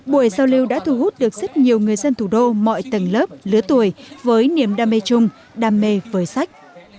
buổi giao lưu đã thu hút được rất nhiều người dân thủ đô mọi tầng lớp lứa tuổi với niềm đam mê chung đam mê với sách